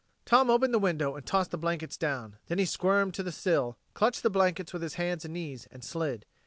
Tom opened the window and tossed the blankets down; then he squirmed to the sill, clutched the blankets with his hands and knees, and slid.